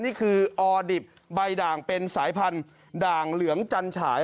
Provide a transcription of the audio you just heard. นี่คือออดิบใบด่างเป็นสายพันธุ์ด่างเหลืองจันฉาย